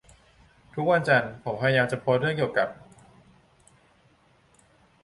ทุกวันจันทร์ผมพยายามจะโพสเรื่องเกี่ยวกับ